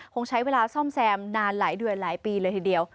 คงใช้เวลาซ่อมแซมนานหลายเดือนหลายปีเลยทีเดียว